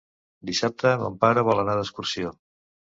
Dissabte mon pare vol anar d'excursió.